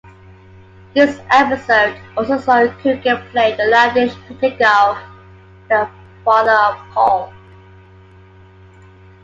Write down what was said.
This episode also saw Coogan play the laddish Peter Calf, the father of Paul.